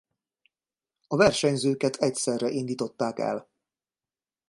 A versenyzőket egyszerre indították el.